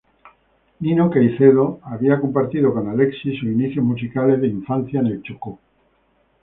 Nino Caicedo había compartido con Alexis sus inicios musicales de infancia en el Chocó.